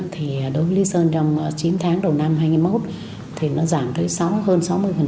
thì đối với lý sơn trong chín tháng đầu năm hai nghìn hai mươi một thì nó giảm tới hơn sáu mươi